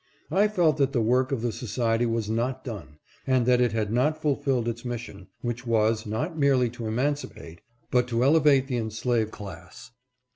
I felt that the work of the society was not done and that it had not fulfilled its mission, which was, not merely to emancipate, but to elevate the enslaved class.